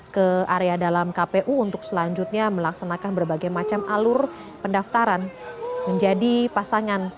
ke area dalam kpu untuk selanjutnya melaksanakan berbagai macam alur pendaftaran menjadi pasangan